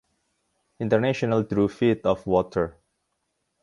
International drew feet of water.